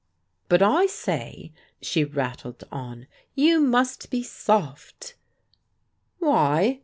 "But I say," she rattled on, "you must be soft!" "Why?"